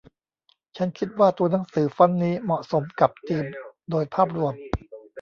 ฉันคิดว่าตัวหนังสือฟอนต์นี้เหมาะสมกับธีมโดยภาพรวม